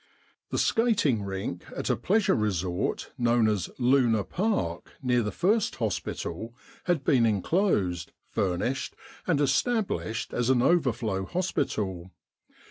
The skating rink at a pleasure resort known as Luna Park near the first hospital had been enclosed, furnished, and established as an overflow hospital.